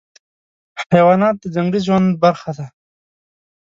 حیوانات د ځنګلي ژوند برخه دي.